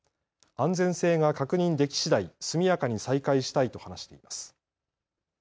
安全性が確認できしだい速やかに再開したいと話しています。